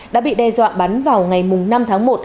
đã bị đe dọa bắn vào ngày năm tháng một